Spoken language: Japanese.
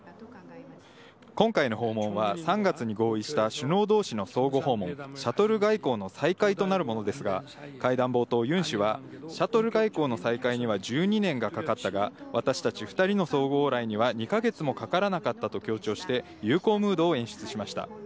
今回の訪問は、３月に合意した首脳どうしの相互訪問、シャトル外交の再開となるものですが、会談冒頭、ユン氏は、シャトル外交の再開には１２年がかかったが、私たち２人の相互往来には２か月もかからなかったと強調して、友好ムードを演出しました。